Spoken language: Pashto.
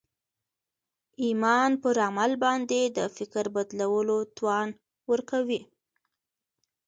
ایمان پر عمل باندې د فکر بدلولو توان ورکوي